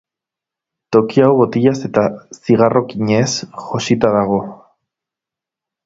Toki hau botilaz eta zigarrokinez josita dago.